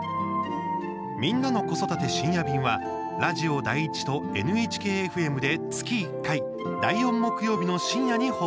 「みんなの子育て☆深夜便」はラジオ第１とＮＨＫ−ＦＭで月１回、第４木曜日の深夜に放送。